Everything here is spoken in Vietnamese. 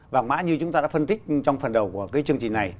vàng mã như chúng ta đã phân tích trong phần đầu của cái chương trình này